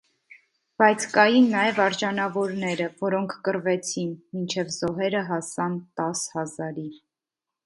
Բայց կային նաև արժանավորները, որոնք կռվեցին, մինչև զոհերը հասան տաս հազարի։